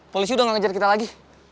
polisi udah gak ngejar kita lagi